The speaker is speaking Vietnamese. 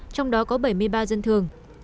trong đó có bảy mươi ba dân thường